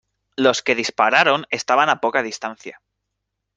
los que dispararon estaban a poca distancia.